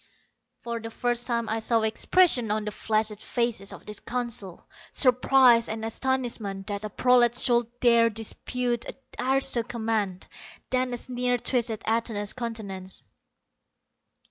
For the first time I saw expression on the flaccid faces of the Council surprise and astonishment that a prolat should dare dispute an aristo command. Then a sneer twisted Atuna's countenance.